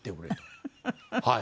はい。